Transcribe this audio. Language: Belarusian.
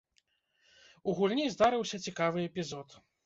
У гульні здарыўся цікавы эпізод.